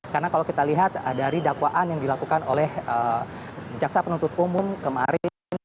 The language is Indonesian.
karena kalau kita lihat dari dakwaan yang dilakukan oleh jaksa penuntut umum kemarin